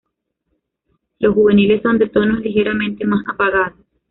Los juveniles son de tonos ligeramente más apagados.